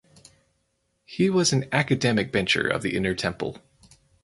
He was an academic bencher of the Inner Temple.